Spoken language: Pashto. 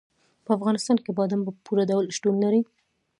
په افغانستان کې بادام په پوره ډول شتون لري.